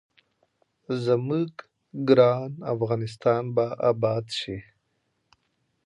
زموږ ګران افغانستان به اباد شي.